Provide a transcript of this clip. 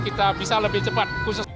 kita bisa lebih cepat